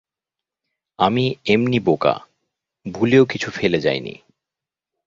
আমি এমনি বোকা, ভুলেও কিছু ফেলে যাই নি।